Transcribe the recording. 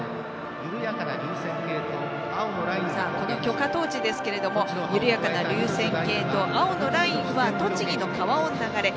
この炬火トーチですけれども緩やかな流線型と青のラインは栃木の川の流れ